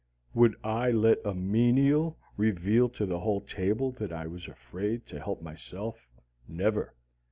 Would I let a menial reveal to the whole table that I was afraid to help myself? Never!